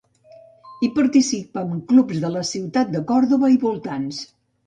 Hi participen clubs de la ciutat de Córdoba i voltants.